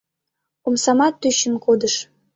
Омсамат тӱчын кодыш.